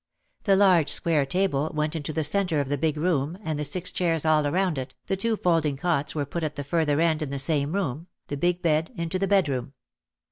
The large square table went into the centre of the big room and the six chairs all around it, the two folding cots were put at the further end in the same room, the big bed into the bedroom.